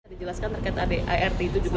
dijelaskan terkait adik art itu juga